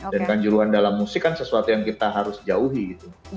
dan kanjuruhan dalam musik kan sesuatu yang kita harus jauhi gitu